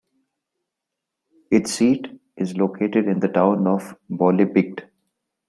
Its seat is located in the town of Bollebygd.